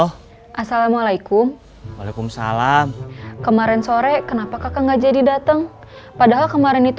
halo assalamualaikum waalaikumsalam kemarin sore kenapa kakak nggak jadi dateng padahal kemarin itu